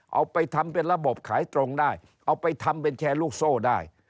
เอาไปทำเป็นระบบขายตรงได้เอาไปทำเป็นแชร์ลูกโซ่ได้